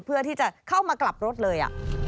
เพื่อที่จะเข้ามากลับรถเลย